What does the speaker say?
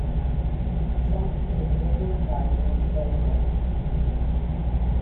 Some amiable gardener sells them.